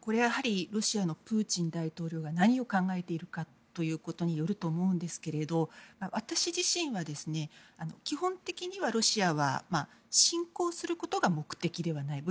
これはロシアのプーチン大統領が何を考えているかということによると思うんですけれど私自身は、基本的にはロシアは侵攻することが目的ではない。